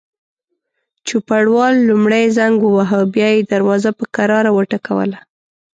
چوپړوال لومړی زنګ وواهه، بیا یې دروازه په کراره وټکوله.